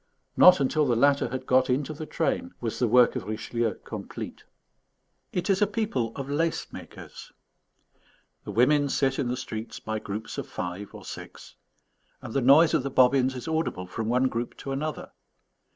Not until the latter had got into the train was the work of Richelieu complete. It is a people of lace makers. The women sit in the streets by groups of five or six; and the noise of the bobbins is audible from one group to another.